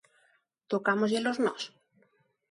Tocámosllelos nós?